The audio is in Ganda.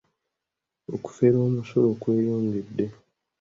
Okufera omusolo kweyongedde.